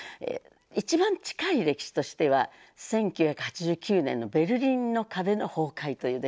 一番近い歴史としては１９８９年のベルリンの壁の崩壊という出来事です。